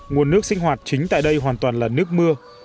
nguồn nước sinh hoạt chính tại đây hoàn toàn là nước mưa